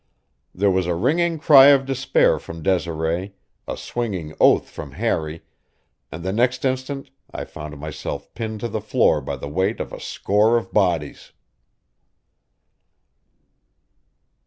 There was a ringing cry of despair from Desiree, a swinging oath from Harry, and the next instant I found myself pinned to the floor by the weight of a score of bodies.